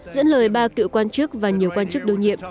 dẫn lời ba cựu quan chức và nhiều quan chức đối nhiên